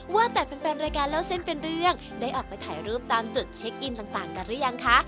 ว่าแต่แฟนรายการเล่าเส้นเป็นเรื่องได้ออกไปถ่ายรูปตามจุดเช็คอินต่างกันหรือยังคะ